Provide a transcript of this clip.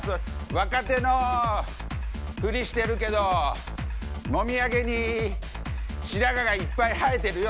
若手のふりしてるけどもみあげに白髪がいっぱい生えてるよ。